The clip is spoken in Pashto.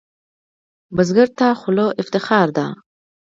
بزګر ته خوله افتخار ده